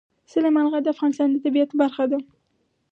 سلیمان غر د افغانستان د طبیعت برخه ده.